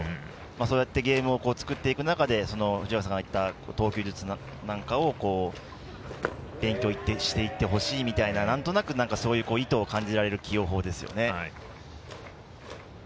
そうやってゲームを作っていく中で藤川さんが言ったような投球術なんかを勉強していってほしいみたいななんとなくそういった意図が感じられる起用法ですよね。